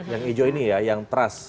yang hijau ini ya yang trust